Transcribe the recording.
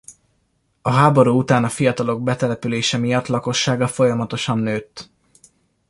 A háború után a fiatalok betelepülése miatt lakossága folyamatosan nőtt.